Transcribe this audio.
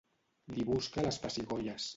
Li busca les pessigolles.